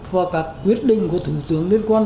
và các quyết định của thủ tướng liên quan